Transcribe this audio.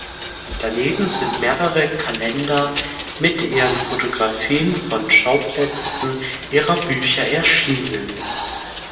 Daneben sind mehrere Kalender mit ihren Fotografien von Schauplätzen ihrer Bücher erschienen.